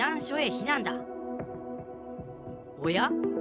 おや？